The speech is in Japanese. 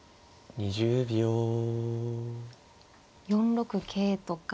４六桂とか。